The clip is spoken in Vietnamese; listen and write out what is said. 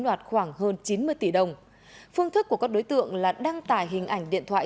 đoạt khoảng hơn chín mươi tỷ đồng phương thức của các đối tượng là đăng tải hình ảnh điện thoại